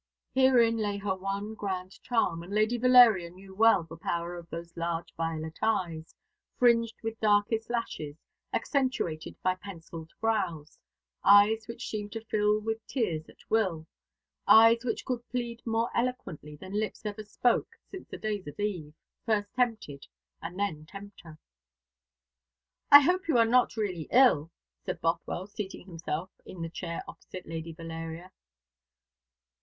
Herein lay her one grand charm, and Lady Valeria well knew the power of those large violet eyes, fringed with darkest lashes, accentuated by pencilled brows eyes which seemed to fill with tears at will eyes which could plead more eloquently than lips ever spoke since the days of Eve, first tempted and then tempter. "I hope you are not really ill," said Bothwell, seating himself in the chair opposite Lady Valeria.